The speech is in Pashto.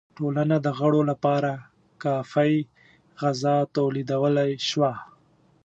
ټولنه د غړو لپاره کافی غذا تولیدولای شوه.